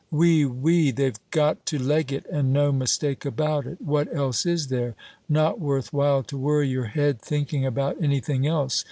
"Oui, oui, they've got to leg it, and no mistake about it. What else is there? Not worth while to worry your head thinking about anything else.